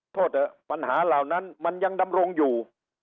โทษเถอะปัญหาเหล่านั้นมันยังดำรงอยู่